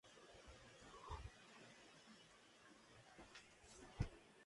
Fue un militar y noble hispano-peruano, combatiente realista durante la guerra de independencia.